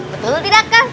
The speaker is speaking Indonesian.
betul tidak kan